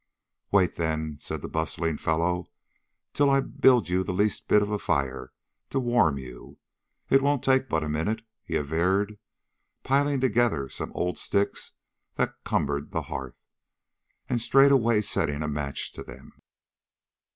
"Wait, then," said the bustling fellow, "till I build you the least bit of a fire to warm you. It won't take but a minute," he averred, piling together some old sticks that cumbered the hearth, and straightway setting a match to them.